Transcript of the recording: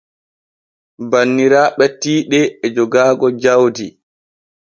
Banniraaɓe tiiɗe e jogaaga jaudi.